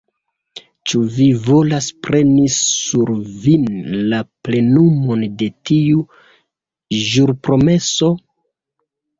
ĉu vi volas preni sur vin la plenumon de tiu ĵurpromeso?